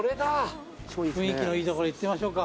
雰囲気のいい所行ってみましょうか。